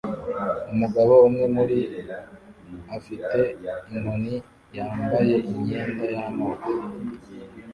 Umugabo umwe muri s afite inkoni yambaye imyenda y'amoko